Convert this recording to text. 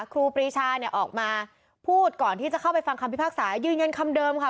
ครูปรีชาเนี่ยออกมาพูดก่อนที่จะเข้าไปฟังคำพิพากษายืนยันคำเดิมค่ะ